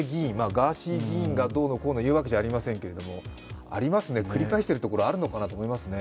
ガーシー議員がどうのこうの言うわけではありませんけどありますね、繰り返しているところがあるのかもしれないですね。